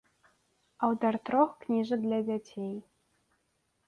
Аўтар трох кніжак для дзяцей.